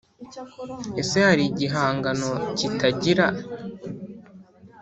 Ese hari igihangano kitagira